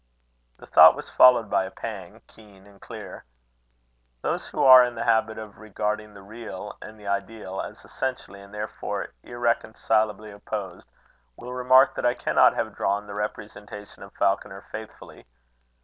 The thought was followed by a pang, keen and clear. Those who are in the habit of regarding the real and the ideal as essentially and therefore irreconcileably opposed, will remark that I cannot have drawn the representation of Falconer faithfully.